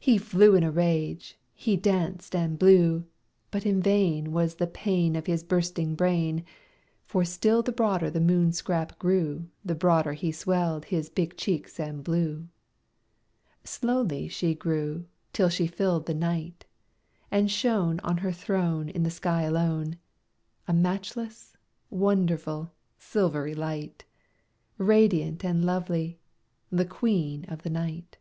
He flew in a rage he danced and blew; But in vain Was the pain Of his bursting brain; For still the broader the Moon scrap grew, The broader he swelled his big cheeks and blew. Slowly she grew till she filled the night, And shone On her throne In the sky alone, A matchless, wonderful, silvery light, Radiant and lovely, the Queen of the night.